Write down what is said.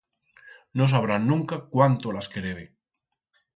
No sabrán nunca cuánto las querebe.